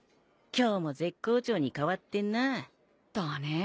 今日も絶好調に変わってんな。だね。